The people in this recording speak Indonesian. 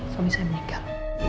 suami saya meninggal